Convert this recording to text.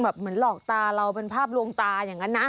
เหมือนหลอกตาเราเป็นภาพลวงตาอย่างนั้นนะ